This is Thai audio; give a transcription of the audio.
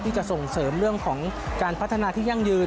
จะส่งเสริมเรื่องของการพัฒนาที่ยั่งยืน